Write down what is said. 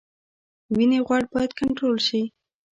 وینې غوړ باید کنټرول شي